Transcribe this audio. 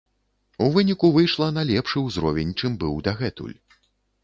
У выніку выйшла на лепшы ўзровень, чым быў дагэтуль.